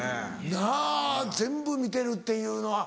なぁ全部見てるっていうのは。